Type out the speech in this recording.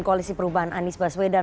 koalisi perubahan anies baswedan